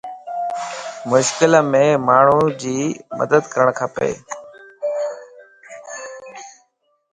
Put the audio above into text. مشڪل ام ماڻھي جي مدد ڪرڻ کپا